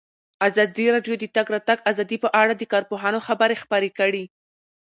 ازادي راډیو د د تګ راتګ ازادي په اړه د کارپوهانو خبرې خپرې کړي.